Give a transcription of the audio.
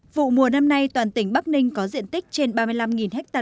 vụ mùa năm nay toàn tỉnh bắc ninh có diện tích trên ba mươi năm ha